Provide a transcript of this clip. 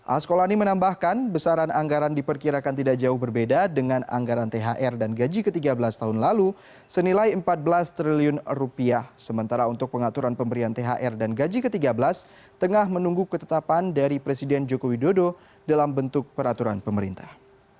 askolani menambahkan besaran anggaran diperkirakan tidak jauh berbeda dengan anggaran thr dan gaji ke tiga belas tahun lalu senilai empat belas triliun rupiah sementara untuk pengaturan pemberian thr dan gaji ke tiga belas tengah menunggu ketetapan dari presiden joko widodo dalam bentuk peraturan pemerintah